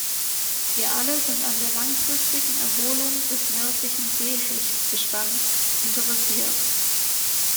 Wir alle sind an der langfristigen Erholung des nördlichen Seehechtbestands interessiert.